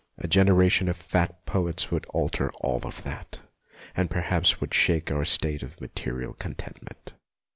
A generation of fat poets would alter all that, and perhaps would shake our 72 MONOLOGUES state of material contentment.